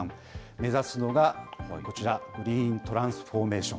目指すのがこちら、グリーン・トランスフォーメーション。